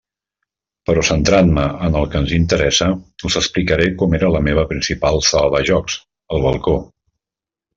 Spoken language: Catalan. Però centrant-me en el que ens interessa, us explicaré com era la meva principal sala de jocs, el balcó.